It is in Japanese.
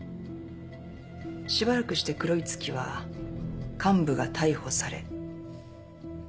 しばらくして黒い月は幹部が逮捕され解散させられた。